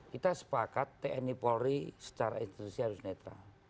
kita sepakat tni polri secara institusi harus netral